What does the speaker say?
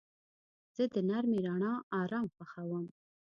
زه د نرمې رڼا آرام خوښوم.